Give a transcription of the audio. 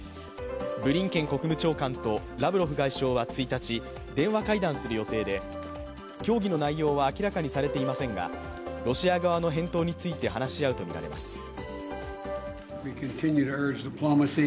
ブリンケン国務長官とラブロフ外相は１日、電話会談する予定で協議の内容は明らかにされていませんがロシア側の返答について話し合うとみられます。